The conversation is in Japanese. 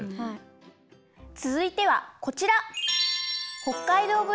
つづいてはこちら。